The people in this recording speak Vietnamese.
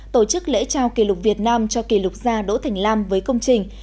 tổ chức lễ trao kỷ lục việt nam cho kỷ lục gia đỗ thành lam với công trình